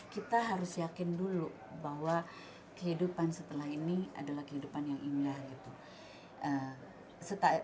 kita harus yakin dulu bahwa kehidupan setelah ini adalah kehidupan yang indah gitu